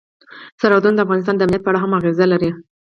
سرحدونه د افغانستان د امنیت په اړه هم اغېز لري.